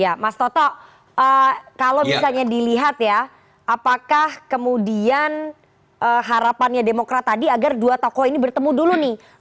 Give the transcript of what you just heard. ya mas toto kalau misalnya dilihat ya apakah kemudian harapannya demokrat tadi agar dua tokoh ini bertemu dulu nih